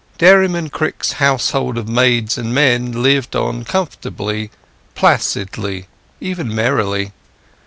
Dairyman Crick's household of maids and men lived on comfortably, placidly, even merrily.